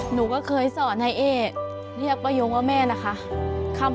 หนูก็เคยสอนให้เอ๊เรียกป้ายงว่าแม่นะคะ